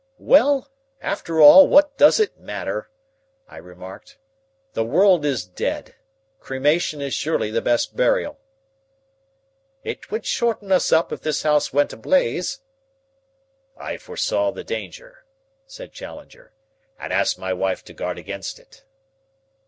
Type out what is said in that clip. "Well, after all, what does it matter?" I remarked. "The world is dead. Cremation is surely the best burial." "It would shorten us up if this house went ablaze." "I foresaw the danger," said Challenger, "and asked my wife to guard against it."